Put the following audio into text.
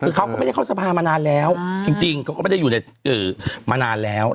คือเขาก็ไม่ได้เข้าสภามานานแล้วจริงเขาก็ไม่ได้อยู่มานานแล้ว